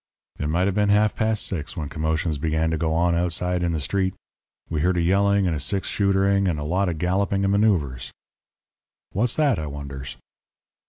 "It might have been half past six when commotions began to go on outside in the street. We heard a yelling and a six shootering, and a lot of galloping and manoeuvres. "'What's that?' I wonders.